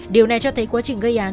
điều này cho thấy quá trình gây án